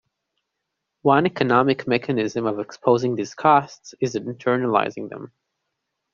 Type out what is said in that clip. One economic mechanism of exposing these costs is internalizing them.